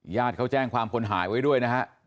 ญาติเขาแจ้งความคนหายไว้ด้วยนะฮะ